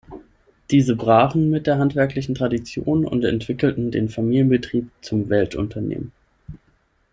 Diese brachen mit der handwerklichen Tradition und entwickelten den Familienbetrieb zum Weltunternehmen.